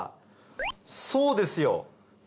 そうですよ。